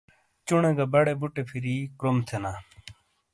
چُونے گہ بڑے بُٹے پھِری کروم تھینا۔